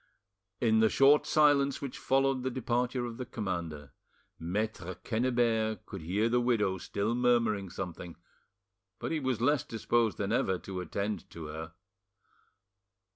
In the short silence which followed the departure of the commander, Maitre Quennebert could hear the widow still murmuring something, but he was less disposed than ever to attend to her.